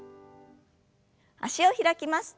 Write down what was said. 脚を開きます。